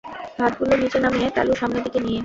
হাতগুলো নিচে নামিয়ে, তালু সামনেদিকে নিয়ে।